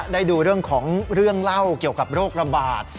ได้ดูเรื่องของเรื่องเล่าเกี่ยวกับโรคระบาด